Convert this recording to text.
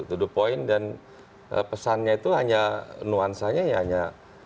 to the point dan pesannya itu hanya nuansanya ya hanya